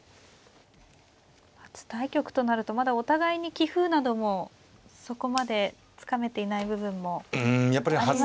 初対局となるとまだお互いに棋風などもそこまでつかめていない部分もありますよね。